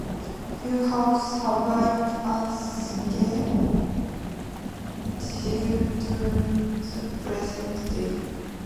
Few have survived unscathed to the present day.